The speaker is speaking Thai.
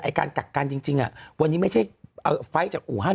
การกักกันจริงวันนี้ไม่ใช่ไฟล์จากอู่ฮัน